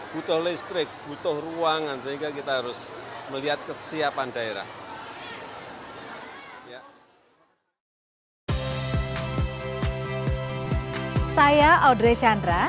butuh listrik butuh ruangan